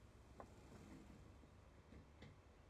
mapishi ya pilau ya viazi lishe